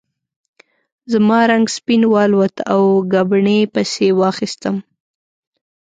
زما رنګ سپین والوت او ګبڼۍ پسې واخیستم.